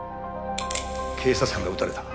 警察官が撃たれた。